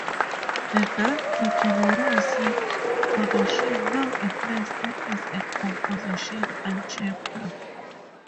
The non-degeneracy condition now implies that is a composition algebra.